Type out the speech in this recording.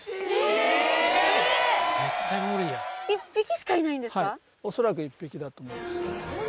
はい恐らく１匹だと思います。